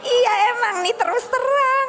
iya emang nih terus terang